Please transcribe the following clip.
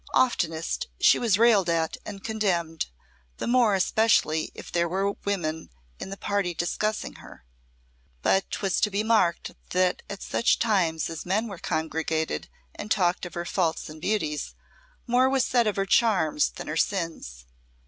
Oftenest she was railed at and condemned, the more especially if there were women in the party discussing her; but 'twas to be marked that at such times as men were congregated and talked of her faults and beauties, more was said of her charms than her sins.